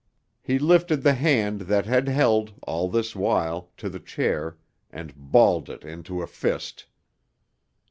He lifted the hand that had held, all this while, to the chair, and balled it into a fist.